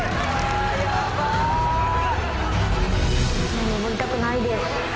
もう上りたくないです。